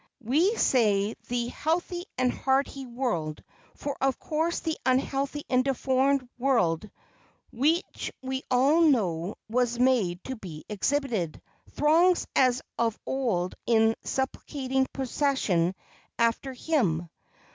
We say the healthy and hearty world, for of course the unhealthy and deformed world, which we all know was made to be exhibited, throngs as of old in supplicating procession after him.